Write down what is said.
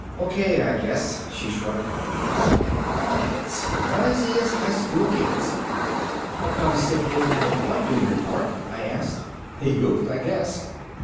"Okay, I guess," she shrugged. "What an audience! Noisy as highschool kids." "How come Sid didn't have a boy do your part?" I asked. "He goofed, I guess.